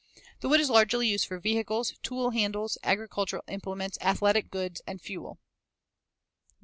The wood is largely used for vehicles, tool handles, agricultural implements, athletic goods, and fuel.